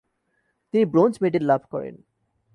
তিনি bronze medal লাভ করেন।